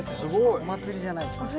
お祭りじゃないんですから。